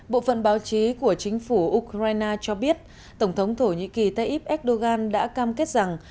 bộ phận báo chí của chính phủ ukraine cho biết tổng thống thổ nhĩ kỳ tayyip erdogan đã cam kết rằng